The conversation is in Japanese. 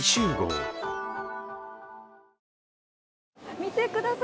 見てください